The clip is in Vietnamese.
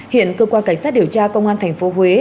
hiện cơ quan cảnh sát điều tra công an tp huế